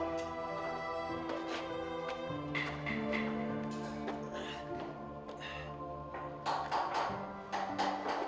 dia tetap takkan kan